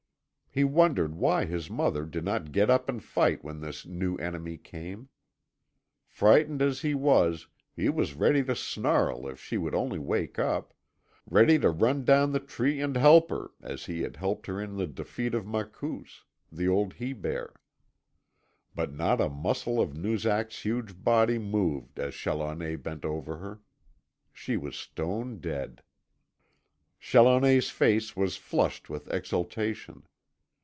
He wondered why his mother did not get up and fight when this new enemy came. Frightened as he was he was ready to snarl if she would only wake up ready to hurry down the tree and help her as he had helped her in the defeat of Makoos, the old he bear. But not a muscle of Noozak's huge body moved as Challoner bent over her. She was stone dead. Challoner's face was flushed with exultation.